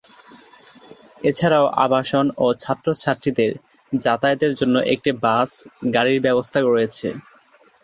এছাড়াও আবাসন ও ছাত্র/ছাত্রীদের যাতায়াতের জন্য একটি বাস গাড়ির ব্যবস্থা রয়েছে।